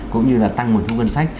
cũng như là tăng mùi thu ngân sách